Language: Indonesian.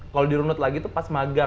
kalau dirunut lagi tuh pas makanan